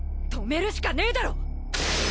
止めるしかねえだろ！！